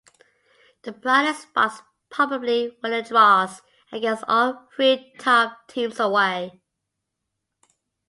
The brightest spots probably were the draws against all three top teams away.